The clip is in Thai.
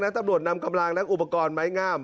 ตำรวจนำกำลังและอุปกรณ์ไม้งาม